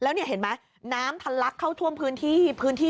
แล้วนี่เห็นไหมน้ำทัลลักษณ์เข้าท่วมพื้นที่